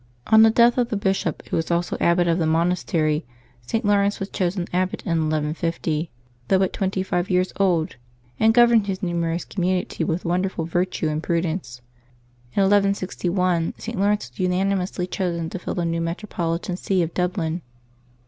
On the death of the bishop, who was also abbot of the monastery, St. Laurence was chosen abbot in 1150, though but twenty five years old, and governed his numerous community with wonder ful virtue and prudence. In 1161 St. Laurence was unani mously chosen to fill the new metropolitan See of Dublin.